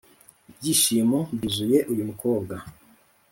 ibyishimo byuzuye uyu mukobwa;